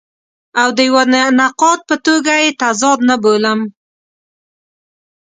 او د یوه نقاد په توګه یې تضاد نه بولم.